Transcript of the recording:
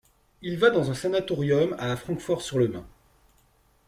Il va dans un sanatorium à Francfort-sur-le-Main.